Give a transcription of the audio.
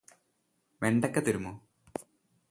വെണ്ടക്ക തരുമോ?